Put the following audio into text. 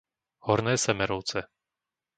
Horné Semerovce